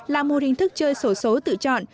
là mô hình thức chơi sổ số tự chọn